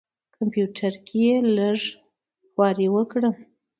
کمپیوټر کې یې لږه خواري وکړه.